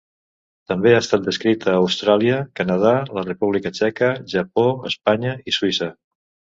També ha estat descrita a Austràlia, Canadà, la República Txeca, Japó, Espanya i Suïssa.